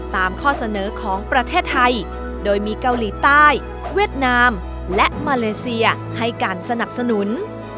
ข้อเสนอของประเทศไทยโดยมีเกาหลีใต้เวียดนามและมาเลเซียให้การสนับสนุน